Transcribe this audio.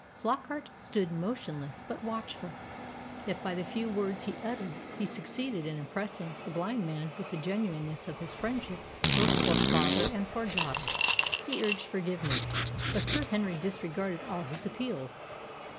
Flockart stood motionless but watchful; yet by the few words he uttered he succeeded in impressing the blind man with the genuineness of his friendship both for father and for daughter. He urged forgiveness, but Sir Henry disregarded all his appeals.